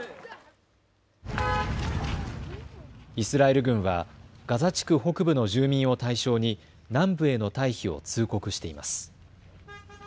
イスラエル軍はガザ地区北部の住民を対象に南部への退避を通告しています。